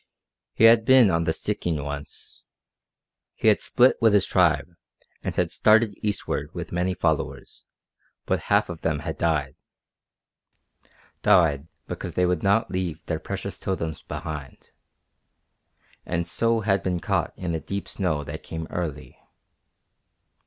He had been on the Stikine once. He had split with his tribe, and had started eastward with many followers, but half of them had died died because they would not leave their precious totems behind and so had been caught in a deep snow that came early.